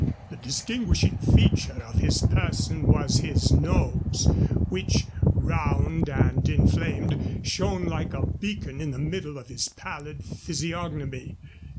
The distinguishing feature of his person was his nose, which, round and inflamed, shone like a beacon in the middle of his pallid physiognomy.